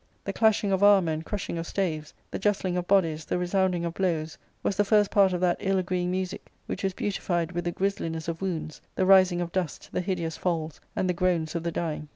The clashing of armour, and crushing of staves, the justling of bodies, the resounding of blows, was the first part of that ill agreeing music which was beautified with the grisliness of wounds, the rising of dust, the hideous falls, and the groans of the dying.